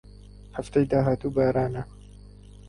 هەفتەی داهاتوو بارانە.